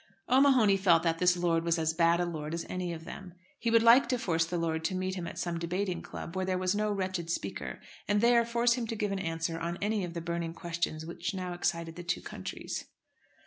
O'Mahony felt that this lord was as bad a lord as any of them. He would like to force the lord to meet him at some debating club where there was no wretched Speaker and there force him to give an answer on any of the burning questions which now excited the two countries.